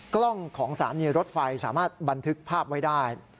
กล้องของสถานีรถไฟสามารถบันทึกภาพไว้ได้